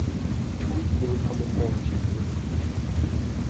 Quid de votre amendement, monsieur Pupponi?